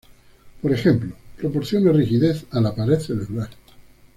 Por ejemplo, proporciona rigidez a la pared celular.